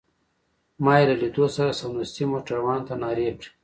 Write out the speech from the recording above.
ما يې له لیدو سره سمدستي موټروان ته نارې کړې.